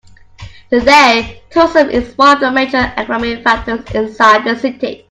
Today, tourism is one of the major economic factors inside the city.